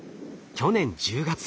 去年１０月。